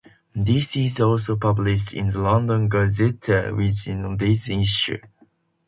This is also published in the "London Gazette" within a few days of issue.